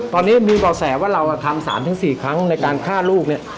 ตอนนี้มีบ่อแสว่าเราทำ๓๔ครั้งในการฆ่าลูกเนี่ย